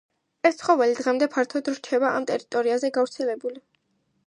ეს ცხოველი დღემდე ფართოდ რჩება ამ ტერიტორიაზე გავრცელებული.